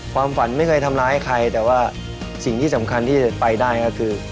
ความฝันไม่เคยทำร้ายใครแต่ว่าสิ่งที่สำคัญที่จะไปได้ก็คือ